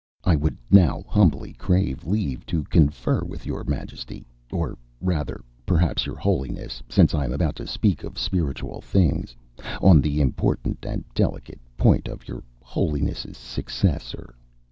I would now humbly crave leave to confer with your Majesty, or rather, perhaps, your Holiness, since I am about to speak of spiritual things, on the important and delicate point of your Holiness's successor.